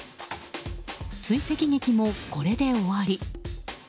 追跡劇もこれで終わり。